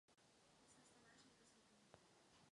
Tohle je ostuda, pane předsedající!